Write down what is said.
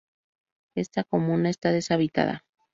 Esta comuna está deshabitada.